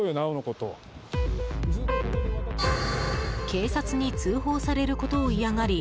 警察に通報されることを嫌がり